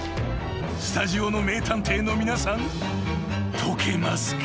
スタジオの名探偵の皆さん解けますか？］